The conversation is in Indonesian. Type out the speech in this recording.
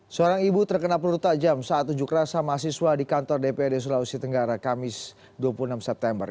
seorang ibu terkena peluru tajam saat ujuk rasa mahasiswa di kantor dprd sulawesi tenggara kamis dua puluh enam september